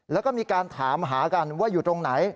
แล้วก็มีการถามหากันว่าอยู่ตรงไหน